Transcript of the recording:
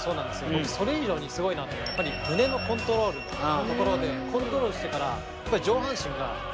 僕それ以上にすごいなと思うのやっぱり胸のコントロールのところでコントロールしてから上半身がしっかりと動かない。